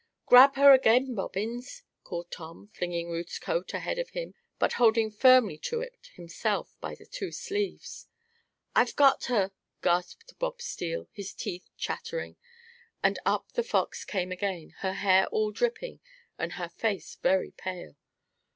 "Grab her again, Bobbins!" called Tom, flinging Ruth's coat ahead of him, but holding firmly to it himself by the two sleeves. "I've got her!" gasped Bob Steele, his teeth chattering, and up The Fox came again, her hair all dripping, and her face very pale.